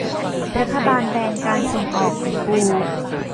รัฐบาลแบนการส่งออกของปู